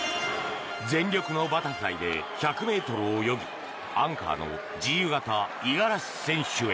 全力のバタフライで１００ｍを泳ぎアンカーの自由形五十嵐選手へ。